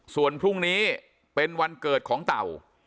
ส่วนพรุ่งนี้เป็นวันเกิดของเต่า